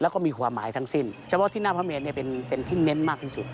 แล้วก็มีความหมายทั้งสิ้นเฉพาะที่หน้าพระเมนเนี่ยเป็นที่เน้นมากที่สุด